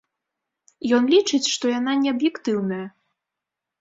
Ён лічыць, што яна неаб'ектыўная.